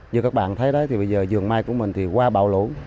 như các bạn thấy đấy thì bây giờ giường mai của mình thì qua bão lũ